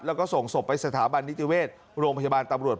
แล้วก็ส่งศพไปสถาบันนิติเวชโรงพยาบาลตำรวจ